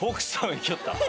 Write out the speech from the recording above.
行きよった？